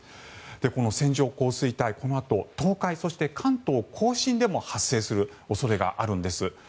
この線状降水帯はこのあと東海や関東・甲信でも発生する恐れがあります。